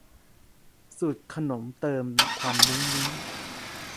สูตรขนมเติมความมุ้งมิ้ง